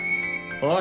おい！